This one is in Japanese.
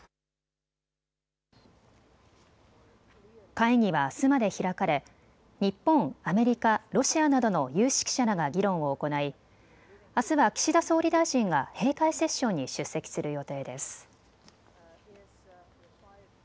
会議はあすまで開かれ日本、アメリカ、ロシアなどの有識者らが議論を行いあすは岸田総理大臣が閉会セッションに出席する予定です。